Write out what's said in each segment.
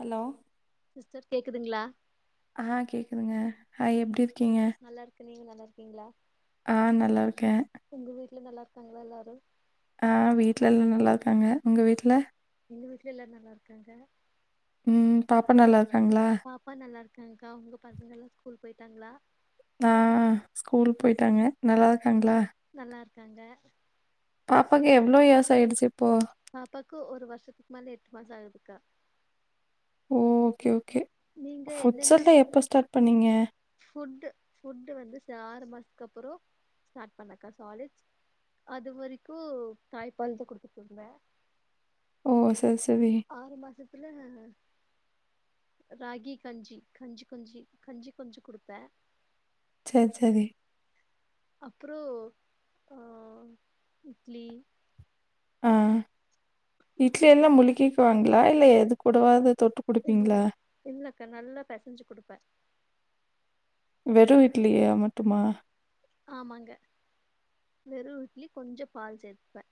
Hello sister கேக்குதுங்ளா ஆ கேக்குதுங்க ஹாய் எப்டி இருக்கீங்க நல்லாருக்கேன் நீங்க நல்லா இருக்கீங்ளா ஆ நல்லா இருக்கேன் உங்க வீட்ல நல்லா இருக்காங்ளா எல்லாரு ஆ வீட்ல எல்லா நல்லா இருக்காங்க உங்க வீட்ல எங்க வீட்‌ல எல்லாரு நல்லா இருக்காங்க ம் பாப்பா நல்லா இருக்காங்ளா பாப்பா நல்லா இருக்காங்க்கா உங்க பசங்கல்லா ஸ்கூல் போயிட்டாங்ளா ஆ ஸ்கூல் போயிட்டாங்க நல்லா இருக்காங்ளா நல்லா இருக்காங்க பாப்பாக்கு எவ்ளோ இயர்ஸ் ஆய்டுச்சு இப்போ பாப்பாக்கு ஒரு வருஷத்துக்கு மேல எட்டு மாசோ ஆகுதுக்கா ஓ ஓகே ஓகே நீங்க என்னென்ன ஃபுட்ஸ்ல்லா எப்ப ஸ்டார்ட் பண்ணீங்க ஃபுட்டு ஃபுட்டு வந்து ச ஆறு மாசத்துக்கப்பறோ ஸ்டார்ட் பண்ணக்கா சாலிட் அது வரைக்கு தாய்பால்தா குடுத்துட்டு இருந்தன் ஓ செரி செரி ஆறு மாசத்துல ராகி கஞ்சி கஞ்சி கொஞ்சி கஞ்சி கொஞ்சு குடுப்ப செரி செரி அப்றோ ஆ இட்லி ஆ இட்லியெல்லா முழுக்கிக்குவாங்ளா இல்ல எது கூடவாது தொட்டு இல்ல குடுப்பீங்களா இல்லக்கா நல்லா பெசஞ்சு குடுப்ப வெறு இட்லிய மட்டுமா ஆமாங்க வெறு இட்லி கொஞ்சோ பால் சேத்துப்ப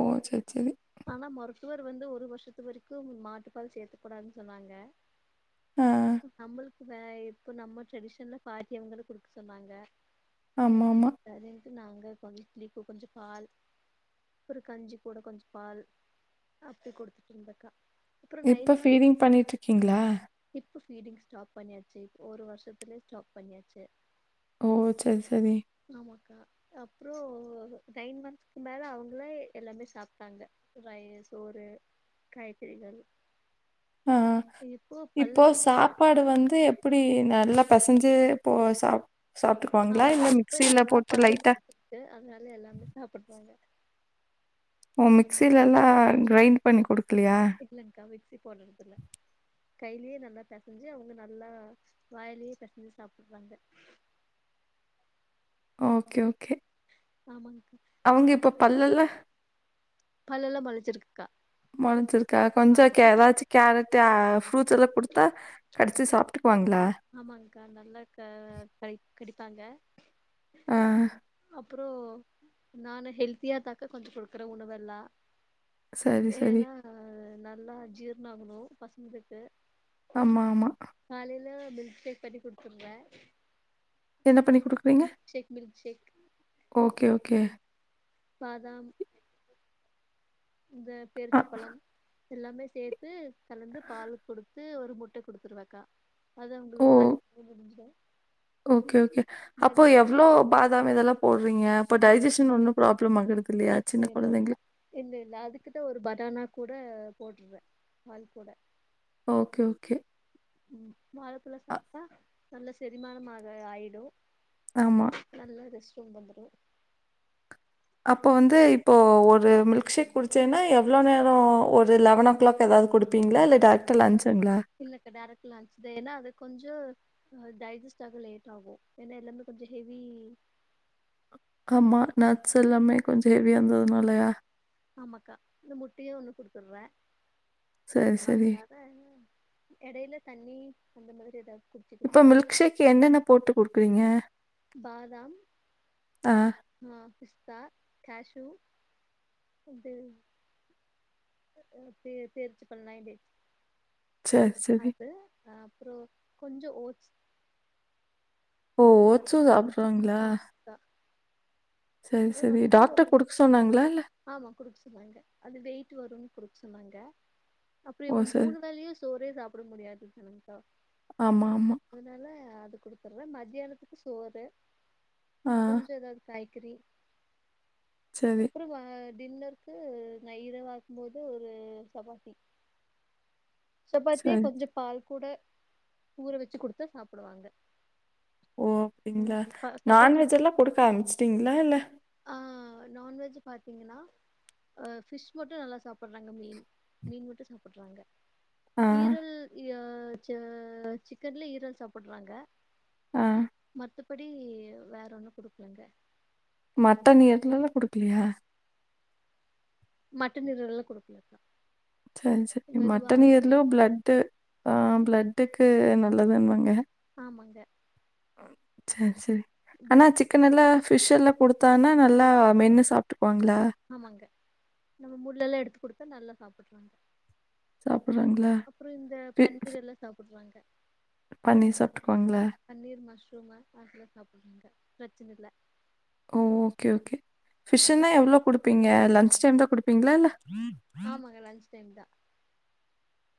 ஓ செர் செரி ஆனா மருத்துவர் வந்து ஒரு வருஷத்து வரைக்கு மாட்டுப்பால் சேத்தக் கூடாதுன்னு சொன்னாங்க அ நம்மளுக்கு வே இப்ப நம்ம ட்ரெடிஷன்ல பாக்கியவங்ள குடுக்க சொன்னாங்க ஆமாமா சரின்ட்டு நாங்க கொஞ்ச புளிப்பு கொஞ்ச பால் அப்புற கஞ்சி கூட கொஞ்ச பால் அப்டி கொடுத்துட்டு இருந்தக்கா அப்றோ நைன் இப்ப மந்த் ஃபீடிங் பண்ணிட்டுருக்கீங்களா இப்ப ஃபீடிங் ஸ்டாப் பண்ணியாச்சு இப்ப ஒரு வருஷத்துலே ஸ்டாப் பண்ணியாச்சு ஓ சரி சரி ஆமாக்கா அப்புறோ நைன் மந்த்ஸ்க்கு மேல அவங்களே எல்லாமே சாப் இருக்காங்க ரை சோறு காய்கறிகள் ஆ இப்போ சாப் பாடு வந்து எப்டி நல்லா பெசஞ்சு போ சா சாப்ட்டுக்குவாங்களா இல்ல மிக்சியில போட்டு லைட்டா ச்சு அதுனால எல்லாமே சாப்புடுவாங்க ஓ மிக்சிலெல்லா கிரைண்ட் பண்ணி குடுக்குலையா இல்லங்க்கா மிக்சி போடுறது தெர்ல கையிலயே நல்லா பெசஞ்சு அவங்க நல்லா வாயிலயே பெசஞ்சு சாப்ட்டுக்குவாங்க ஓகே ஓகே ஆமாங்கக்கா அவங்க இப்ப பல்லெல்லா பல்லெல்லா மொளச்சிருக்குக்கா மொளஞ்சிருக்கா கொஞ்சோ கே எதாச்சு கேரட் ஆ ஃப்ரூட்ஸ் எல்லா குடுத்தா கடுச்சு சாப்ட்டுக்குவாங்குளா ஆமாங்க்கா நல்லா க கடி கடிப்பாங்க ஆ அப்புறோ நானு ஹெல்த்தியா தாக்கா கொஞ்சோ குடுக்குற உணவெல்லா சரி, சரி. ஏன்னா நல்லா ஜீர்ணொ ஆகணு பசங்களுக்கு ஆமா ஆமா காலைல்ல மில்க் ஷேக் பண்ணி குடுத்துருவே என்ன பண்ணி குடுக் மில்க்ஷேக் மில்க்ஷேக் ஓகே ஓகே பாதாம் இந்த அ பேருச்சபழம் எல்லாமே சேத்து கலந்து பால் குடுத்து ஒரு முட்ட குடுத்துருவேக்கா அது அவங்களுக்கு ஓ! காலே [inaudible] முடிஞ்சுரு ஓகே ஓகே அப்போ எவ்ளோ பாதாம் இதெல்லா போட்றீங்க இப்போ ஆ டைஜெஷன் ஒன்னு ப்ராப்ளம் ஆகுறது இல்லையா சின்ன பிரச்சன கொழந்தைங்களு இல்ல இல்ல அதுக்குதா ஒரு பனானா கூட போட்டுறே பால் கூட ஓகே ஓகே ம் வாழப்பழோ அ சாப்ட்டா நல்ல செரிமானமாக ஆயிடு ஆமா நல்லா ரெஸ்ட் ரூம் வந்துரு அப்போ வந்து இப்போ ஒரு மில்க்ஷேக் குடிச்சேன்னா எவ்ளோ நேரோ ஒரு லெவன் ஓ கிளாக் ஏதாது குடுப் பீங்ளா இல்ல டாரக்டா லஞ்ச்சுங்ளா இல்லக்கா டேரக்டா லஞ்ச்சுதா ஏன்னா அது கொஞ்சோ டைஜெஸ்ட் ஆக லேட் ஆகு ஏன்னா எல்லாமே கொஞ்ச ஹெவி ஆமா நட்ஸ் எல்லாமே கொஞ்ச ஹெவியா இருந்ததுனாலயா ஆமாக்கா இந்த முட்டயு ஒன்னு குடுத்துர்றே சரி, சரி. அதுல ஆ எடையில தண்ணி அந்த மாதிரி எதாது இப்ப மில்க் ஷேக் என்னென்ன போட்டு குடுக்குறீங்க பாதாம் ஆ ஆ பிஸ்தா கேஷூ இது ம் பே பேரிச்சம்பழோ லயன் டேட்ஸ் சரி, சரி. அது அப்பறோ கொஞ்சோ ஓட்ஸ் ஓ! ஓட்ஸும் சாப்பிடுறாங்களா? [inaudible] சரி சரி கூட ஒரு டாக்டர் குடுக்க சொன்னாங்களா இல்ல ஆமா குடுக்க சொன்னாங்க அது வெயிட் வருன்னு குடுக்க சொன்னாங்க அப்புறோ ஓ! இவ சரி. மூணு வேளயும் சோரே சாப்பிட முடியாது தானேங்கக்கா ஆமா ஆமா அதனால அது குடுத்துருவே மதியானத்துக்கு சோறு ஆ, கொஞ்சோ எதாவது காய்கறி செரி ஒரு டின்னர்க்கு நை இரவாகும் போது ஒரு சப்பாத்தி [inaudible] சப்பாத்தியே சரி. கொஞ்சோ பால் கூட ஊற வச்சு குடுத்தா சாப்பிடுவாங்க ஓ அப்டிங்களா நான்வெஜ் எல்லா குடுக்க ஆரமிச்சுட்டீங்களா இல்ல ஆ நான்வெஜ் பாத்தீங்கன்னா ஃபிஷ் மட்டு நல்லா சாப்பிட்றாங்க மீன் மீன் மட்டு சாப்பிட்றாங்க ஆ ஈரல் அ ச சிக்கன்ல ஈரல் சாப்பிட்றாங்க ஆ மத்தபடி வேற ஒன்னு குடுக்கலங்க மட்டன் ஈரல் எல்லா குடுக்கலையா மட்டன் ஈரல் எல்லா குடுக்கலக்கா செரி செரி மெதுவா மட்டன் ஆகட்டு ஈயரலு பிளட்டு அ பிளட்டுக்கு நல்லதுனுவாங்க ஆமாங்க செரி செரி ஆனா பிளட் சிக்கன்ல்ல பிஷ்ல்ல குடுத்தானா நல்லா மென்னு சாப்ட்டுகுவாங்கள ஆமாங்க நம்ம முல்லெல்லா எடுத்து குடுத்தா நல்லா சாப்பிட்றாங்க சாப்டுறாங்களா அப்றோ இந்த பன்னீர் எல்லா சாப்பிட்றாங்க பண்ணிர் சாப்ட்டுக்குவாங்களா பன்னீர் மஷ்ரூமு அதெல்லா சாப்டுறாங்க பிரச்சன இல்ல ஓ ஓகே ஓகே ஃபிஷ்ன்னா எவ்ளோ குடுப்பீங்க லன்ச் டைம் தா குடுப்பீங்களா இல்ல ஆமாங்க லன்ஜ் டைம் தா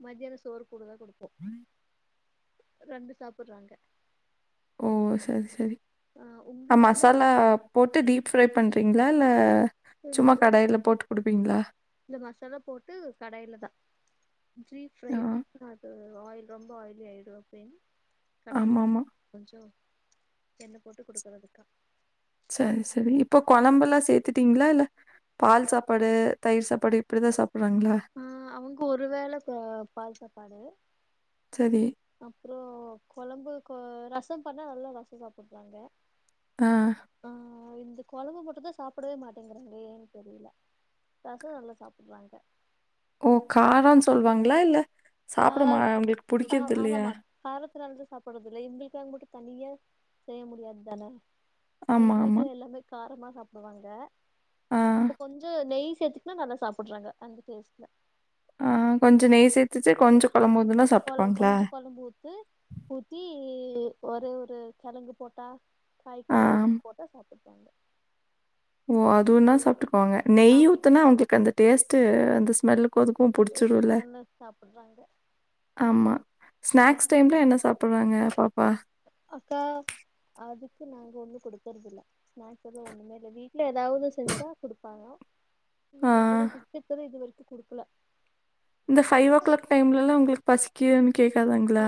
மத்யானோ சோறு கூடுதா குடுப்போ ரெண்டு சாப்பிட்றாங்க ஓ செரி செரி ஆ வீட்ல மசாலா போட்டு டீப் ஃப்ரை பண்ணுறீங்களா இல்ல சும்மா கடாய்ல போட்டு குடுப்பீங்களா இல்ல மசாலா போட்டு கடாயில தா டீப் ஆ ஃப்ரைனா அது ஆயில் ரொம்ப ஆயிலி ஆயிடு அப்பின்னு கடாய்ல ஆமாமா. கொஞ்சோ என்ன போட்டு குடுக்குறதுக்கா செரி செரி இப்ப கொழம்புலா சேத்துட்டீங்களா இல்ல பால் சாப்பாடு தயிர் சாப்பாடு இப்டிதா சாப்பிடுறாங்களா ம் அவங்க ஒரு வேள பால் சாப்பாடு செரி அப்றோ கொழம்பு கொ ரசோ பண்ணா நல்லா ரசோ சாப்பிட்றாங்க ஆ ஆ இந்த கொழம்பு மட்டுந்தா சாப்பிடவே மாட்டேங்குறாங்க ஏன்னு தெரியல ரசோ நல்லா சாப்பிடுறாங்க ஓ காரோனு சொல்லுவாங்களா இல்ல சாப்பிட மா கார் அவங்களுக்கு ஆ பிடிக்கிறது இல்லையா ஆமாமா காரத்துனாலதா சாப்பிட்றது இல்ல இவுங்களுக்காக மட்டு தனியா செய்ய முடியாது தானே எங்க ஆமா, ஆமா. வீட்ல எல்லாமே காரமா சாப்பிடுவாங்க ஆ, இப்ப கொஞ்சோ நெய் சேத்து இன்னு நல்லா சாப்புடுறாங்க அந்த டேஸ்ட்ல ஆ கொஞ்சோ நெய் சேர்த்திச்சு கொஞ்சோ கொழம்பு ஊத்துனா கொழ சாப்டுப்பாங்களா கொஞ்சோ கொழம்பு ஊத்து ஊத்தி ஒரே ஒரு கிழங்கு போட்டா ஆ. காய்கறி அது போட்டா சாப்ட்டுப்பாங்க ஓ அதுவுதா சாப்ட்டுக்குவாங்க நெய் ஆமா ஊத்துனா அவங்களுக்கு அந்த டேஸ்ட்டு அந்த ஸ்மெல்லு க்கு அதுக்கு புடிச்சுடுல நல்லா சாப்டுறாங்க ஆமா ஆ ஸ்நாக்ஸ் டைம்ல என்ன சாப்பிடுவாங்க பாப்பா அக்கா அதுக்கு நாங்க ஒன்னு குடுக்றதுல்ல ஸ்நாக்ஸ் எதுவு ஒண்ணுமே இல்ல வீ ட்ல ஏதாவது செஞ்சா குடுப்பாங்க ஆ. இப்ப வந்து பிஸ்கட் வந்து இது வரைக்கு குடுக்கல இந்த ஃபைவ் ஓ கிளாக் டைம்லலா உங்களுக்கு பசிக்குதுன்னு ஆ கேக்காதாங்ளா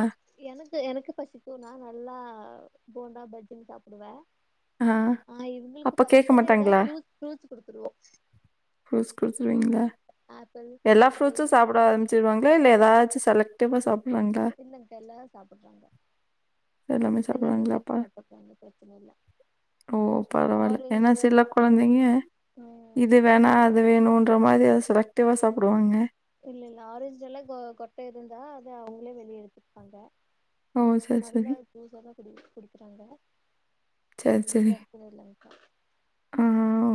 எனக்கு எனக்கு பசிக்கு நா நல்லா போண்டா பஜ்ஜின் சாப்புடுவே ஆ இவுங்களுக்கு அப்ப கேட்க பசிச்சா எதாது மாட்டாங்களா? ஃப்ரூட்ஸ் ஃப்ரூட்ஸ் குடுத்துருவே ஃப்ரூட்ஸ் குடுத்துருவீங்ளா எல்லா ஃப்ரூட்ஸு கிரேப்ஸ் சாப்ட ஆரமிச்சுடுவாங்ளா இல்ல எதாச்சு செலக்ட் இல்லங்க்கா எல்லாரு சாப்புட்றாங்க எல்லாமே மென்னு சாப்புட்றாங்க பிரச்சன இல்ல ஓ பரவால்ல ஏனா ஆரஞ்சுல சில கொழந்தைங்க ம் இது வேணா அது வேணுன்ற மாதிரி அத செலக்டிவா சாப்டுவாங்க இல்ல இல்ல ஆரஞ்சுல்லா க கொட்ட இருந்தா அது அவுங்களே வெளிய எடுத்துப்பாங்க ஓ! சரி, அதுக்கு சரி. தா ஜூஸ் எல்லா குடி குடிக்கிறாங்க சரி, சரி. பிரச்சன இல்லங்கா ஆ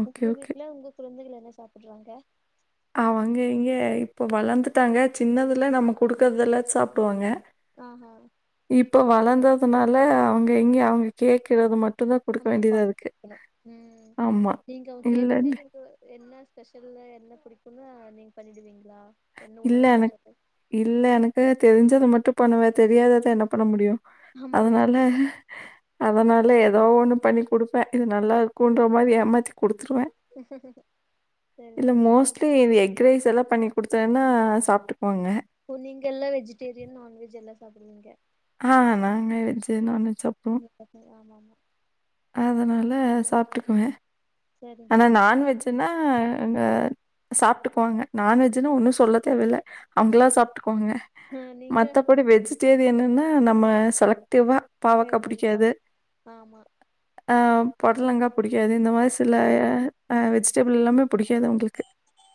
ஓகே, உங்க ஓகே. வீட்ல உங்க குழந்தைகள் என்ன சாப்பிட்றாங்க அவங்க எங்க இப்ப வளந்துட்டாங்க சின்னதுல நம்ம குடுக்குறத எல்லா சாப்டுவாங்க ஆஹா இப்போ வளந்ததுனால அவுங்க எங்க அவுங்க கேக்கறது மட் நம்ப பாத்து குடுக்கனு ம் ஆமா. நீங்க அவுங் இல்ல, கேட்டோன்னே இல்ல. நீங்க என்ன ஸ்பெஷல்லா என்ன பிடிக்குன்னு நீங்க பண்ணிடுவீங்களா என்ன இல்ல உணவு எனக் கேட்டாலு இல்ல எனக்கு தெரிஞ்சத மட்டு பண்ணுவே தெரியாதத என்ன பண்ண முடியு ஆமாங்க அதனால அதனால எதோ ஒண்ணு பண்ணி குடுப்பே இது நல்லா இருக்குன்ற மாறி ஏமாத்தி குடுத்துருவே சரி இல்ல சரி மோஸ் ட்லி இந்த எக் ரைஸ் எல்லா பண்ணி குடுத்தேன்னா சாப்ட்டுக்குவாங்க ஓ நீங்க எல்லா வெஜிடேரியன் நான்வெஜ் எல்லா சாப்பிடுவீங்க ஆ நாங்க வெஜ்ஜு நான்வெஜ் சாப் பசங்க ஆமா ஆமா அதனால சாப்ட்டுக்குவே சரிங் ஆனா சரிங் நான்வெஜ் னா அங்க சாப்ட்டுக்குவாங்க நான்வெஜுன்னு ஒன்னு சொல்ல தேவ இல்ல அவுங்களா சாப்ட்டுக்குவாங்க ஆ நீங்க மத்தபடி வெஜிடேரியன்னுன்னு நம்ம செலக்டிவா பாவக்கா ஏதாவது பா புடிக்காது ஆமா அ பொட்லங்கா புடிக்காது இந்த மாரி சாப் சிலய அ வெஜிடபிள் எல்லாமே புடிக்காது அவுங்களுக்கு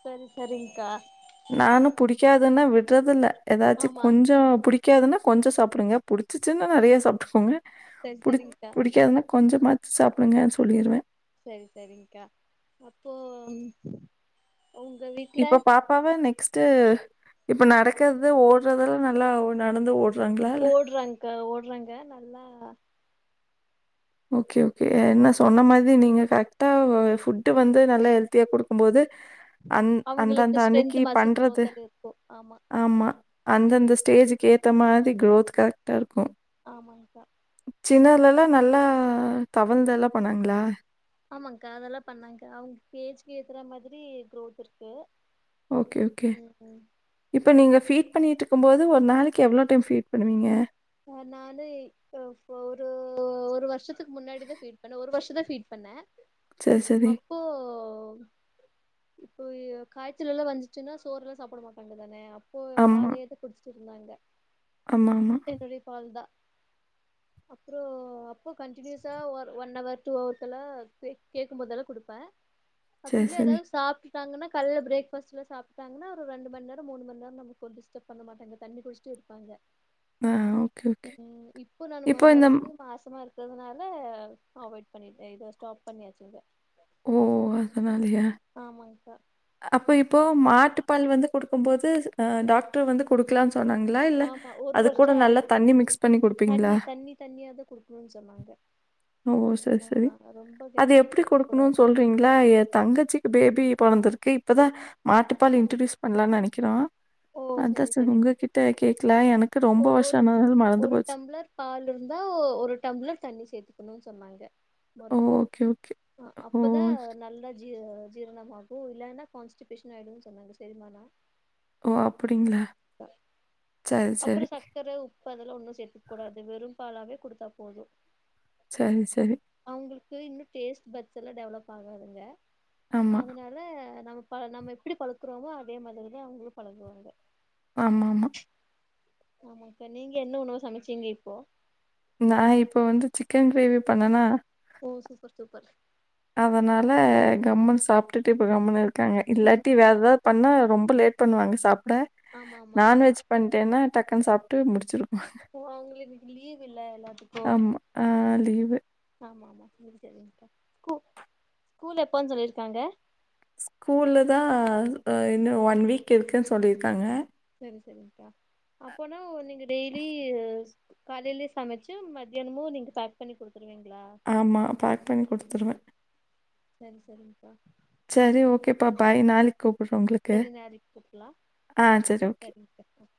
செரி செரிங் கா நானு புடிக்காதுன்னா விட்றது இல்ல ஏதாச்சு ஆமா கொஞ்சோ புடி க்காதுன்னா கொஞ்சொ சாப்டுங்க புடுச்சுச்சுன்னா நெறயா சாப்ட்டுக்கோங்க சரி புடுச் சரிங்க்கா புடிக்காதுன்னா கொஞ்சமாச்சு சாப்டுங்க சொல்லிடுவே செரி செரிங்க்கா அப்போ ஒங்க வீட் இப்ப பாப்பாவெ நெக்ஸ்ட்டு இப்ப நடக்றது ஓடுறதெல்லா நல்லா நடந்து ஓடு ஓடுறான்க்கா ஓடுறாங்க நல்லா ஓகே ஓகே என்ன சொன்ன ஓடுறாங்க மாதி நீங்க கரெக் டா ஃபுட்டு வந்து நல்லா ஹெல்த்தியா குடுக்கும்போது அந் அவங்களுக்கு அந்தந்த அன்னக்கி ஸ்ட்ரென்த் மசில் பண்றது குரோத் எல்லா இருக்கு ஆமா அந்தந்த ஸ்டேஜுக்கு ஏத்த மாத்ரி க்ரோத் கரெக்டா இருக்கு ஆமாங்க்கா சின்னதுலல்லா நல்லா தவழ்ந்து எல்லா பண்ணாங்ளா ஆமாங்க்கா அதெல்லா பண்ணாங்கா அவுங் ஏஜ்க்கு ஏத்துற மாதுரி குரோத் இருக்கு ஓகே ஓகே ம் ம் இப்போ நீங்க ஃபீட் பண்ணிட்டு இருக்கும்போது ஒரு நாளைக் எவ்ளோ டைம் ஃபீட் பண்ணுவீங்க யார் நா வந்து [unintelligible] ஒரு ஒரு வர்ஷத்துக்கு முன்னாடிதா ஃபீட் பண்ண ஒரு வருஷொ தா ஃபீட் பண்ணே செரி செரி இப்போ இப்போ காய்ச்சலலா வந்துச்சுனா சோறுலா சாப்புட மாட்டாங்க தானே ப்போ பாலையது குட்ச்சுட்டு இருந்தாங்க ஆமா ஆமா ஒரே பால்தா அப்றோ அப்பொ கன்டினியஸா ஒர் ஒன் அவர் டூ அவர்ஸ் ல்ல சிஸ் கேக்கும்போதெல்லா குடுப்பே அப்டி சரி, இல்ல சரி. எதாது சாப்ட் டாங்கன்னா கால்ல பிரேக்ஃபஸ்ட்லா சாப்ட்டாங்னா ஒரு ரெண்டு மண் நேரொ மூனு மண் நேர்ந்தா [unintelligible] டிஸ்டர்ப் பண்ணமாட்டாங்க தண்ணி குடுச் டு இருப்பாங்க [unintelligible] ம் இப்போ நானு இந்த ம் மறுபடியு மாசமா இருக் றதுனால அவாய்ட் பண்ணிடே இத ஸ்டாப் பண்ணியாச்சு இத ஓ அதனாலயா ஆமாங்க்கா அப்போ இப்போ மாட்டு பால் வந்து குடுக்கும் போது டாக்டர் வந்து குடுக்கலான் சொன்னாங்களா இல்ல ஆமா ஒரு அது வருஷோ கூட நல்லா ஆயிடு தண்ணி மிக்ஸ் பண்ணி குடுப்பீங்ளா ம் சொன்னாங்க ஓ செரி ஆ செரி ரொம்ப அது கெட்டியா எப்டி குடுக்க குடுக்ணு கூடாது சொல் றிங்ளா ஏ தங்கச்சிக்கு பேபி பொறந்திருக்கு இப்பதா மாட்டுப்பால் இன்ட்ரட்யூஸ் பண்ணலான் நெனக்கிறோ ஓ அதா செரி [unintelligible] செரிங் உங்ககிட்ட கேக்லா எனக்கு ரொம்ப ஒரு வர்ஷொ ஒரு ஆனால மறந்து ஒரு போச்சு டம்ளர் பால் இர்ந்தா ஒரு டம்ளர் தண்ணி சேத்துக்கணு சொன்னாங்க ஓ! மருத்துவர் ஓகே, ஓகே. ஓ! அப்பதா நல்லா ஜீ ஜீரணமாகு இல்லையினா கான்ஸ்டிபேஷன் ஆயிடு சொன்னாங்க செரிம்மானா ஓ அப்படிங்ளா அப்புறோ சக்கர உப் பு அதெல்லா ஒன்னு சேத்துக்க கூடாது வெறும்பாலாவே குடுத்தா போது சேரிங்க சேரி அவுங்களுக்கு இன்னு டேஸ்ட் பட்ஸ்லா டெவலப் ஆகாதுங்க ஆமா. அதனால ல நம்ம ப நம்ம எப்டி பழக்றோமோ அதே மாரிதா அவங்களு பழகுவாங்க ஆமாமா ஆமாக்கா நீங்க என்ன உணவு சமைச்சீங்க இப்போ நா இப்போ வந்து சிக்கன் கிரேவி பண்ணனா ஓ சூப்பர் சூப்பர் அதனால கம்மன் சாப்டுட்டு இப்ப கம்மன் இருக்காங்க இல்லாட்டி வேறுதாவ் பண்ணா ரொம்ப லேட் பண்வாங்க சாப்ட ஆமா ஆமா நான்வெஜ் பண்டேன்னா டக்குனு சாப்ட்டு முடிச்சிரு ஓ அவுங்களுக்கு இன்னிக்கி லீவ்ல்ல எல்லாத்துக்கு ஆமா. ஆ லீவு ஆமாமா செரி செரிங்க்கா கூ ஸ்கூல் எப்பன் சொல்லியிருக்காங்க ஸ்கூல் தா இன்னு ஒன் வீக் இருக்குன் சொல்லியிருக்காங்க செரி செரிங்க்கா அப்போனா நீங்க டெய்லி காலையில சமைச்சு மத்தியானமு நீங்க பேக் பண்ணி குடுத்துருவீங்களா ஆமா பேக் பண்ணி குடுத்துருவே செரி செரிங்க்கா சேரி ஓக்கேப்பா பாய் நாளைக்கி கூப்புட்ற ஒங்களுக்கு சரி நாளைக்கு கூப்பலா ஆ சேரி ஓகே [unintelligible]